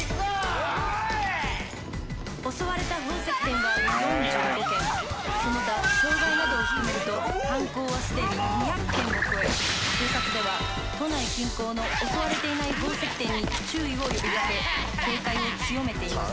「襲われた宝石店は４５軒」「その他傷害などを含めると犯行はすでに２００件を超え警察では都内近郊の襲われていない宝石店に注意を呼びかけ警戒を強めています」